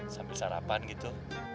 sampai sarapan gitu